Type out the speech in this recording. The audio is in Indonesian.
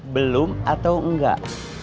belum atau enggak